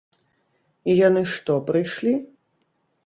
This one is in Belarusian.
І яны што, прыйшлі?